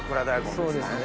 そうですね。